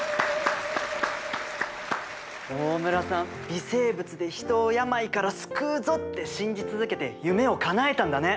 微生物で人を病から救うぞって信じ続けて夢をかなえたんだね！